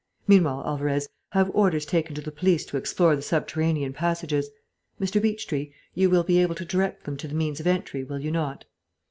Meanwhile, Alvarez, have orders taken to the police to explore the subterranean passages. Mr. Beechtree, you will be able to direct them to the means of entry, will you not."